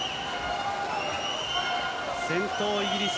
先頭、イギリス。